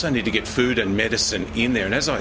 tapi kita juga butuh membeli makanan dan ubat di sana